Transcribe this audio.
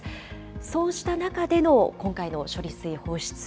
そうした中での今回の処理水放出。